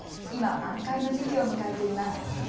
今、満開の時期を迎えています。